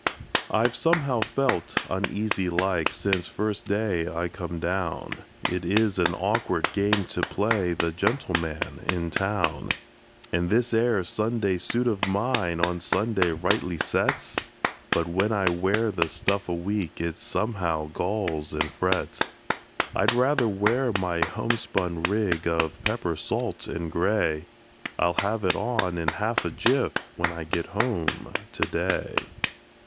I've somehow felt uneasy like, since first day I come down; It is an awkward game to play the gentleman in town; And this 'ere Sunday suit of mine on Sunday rightly sets; But when I wear the stuff a week, it somehow galls and frets. I'd rather wear my homespun rig of pepper salt and gray I'll have it on in half a jiff, when I get home to day.